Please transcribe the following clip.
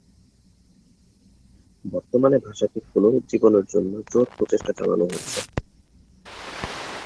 বর্তমানে ভাষাটির পুনরুজ্জীবনের জন্য জোর প্রচেষ্টা চালানো হচ্ছে।